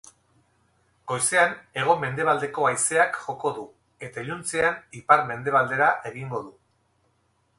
Goizean hego-mendebaldeko haizeak joko du eta iluntzean ipar-mendebaldera egingo du.